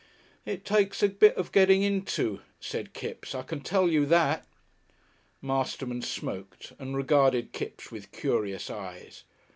"It takes a bit of getting into," said Kipps. "I can tell you that." Masterman smoked and regarded Kipps with curious eyes.